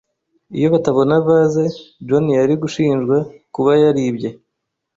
Iyo batabona vase, John yari gushinjwa kuba yaribye.